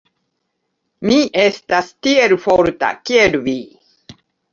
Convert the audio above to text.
Mi estas tiel forta, kiel vi.